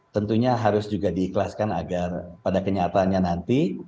tentunya harus juga diikhlaskan agar pada kenyataannya nanti